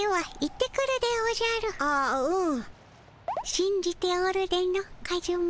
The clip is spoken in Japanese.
しんじておるでのカズマ。